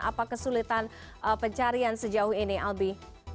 apa kesulitan pencarian sejauh ini albi